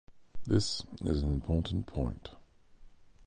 This is an important point.